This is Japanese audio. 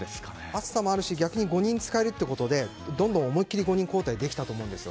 暑さもあるし５人使えるということでどんどん、思い切り５人交代できたと思うんです。